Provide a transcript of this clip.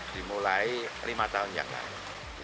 dimulai lima tahun yang lalu